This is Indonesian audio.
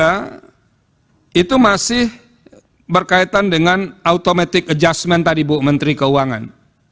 ya itu masih berkaitan dengan automatic adjustment tadi bu menteri keuangan